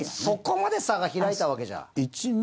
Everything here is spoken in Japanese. そこまで差が開いたわけじゃ。